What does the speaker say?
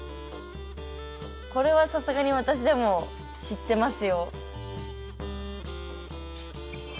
これはさすがに私でも知ってますよ。